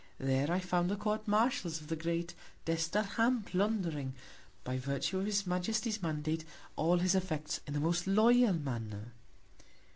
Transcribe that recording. There I found the Court Marshals of the grand Desterham, plundering, by Virtue of his Majesty's Mandate, all his Effects, in the most loyal Manner.